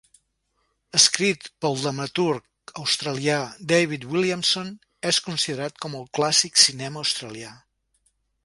Escrit pel dramaturg australià David Williamson, és considerat com el clàssic cinema australià.